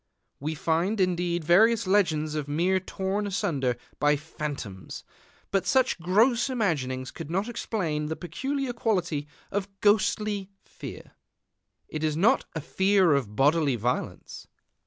We find, indeed, various legends of men torn asunder by phantoms; but such gross imaginings could not explain the peculiar quality of ghostly fear. It is not a fear of bodily violence.